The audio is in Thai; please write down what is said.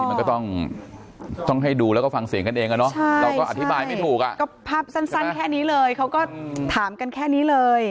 มันก็ต้องให้ดูแล้วก็ฟังเสียงกันเองอะเนาะเราก็อธิบายไม่ถูกอ่ะก็ภาพสั้นแค่นี้เลยเขาก็ถามกันแค่นี้เลย